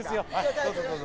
どうぞどうぞ。